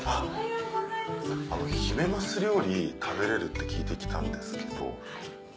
ヒメマス料理食べれるって聞いて来たんですけど。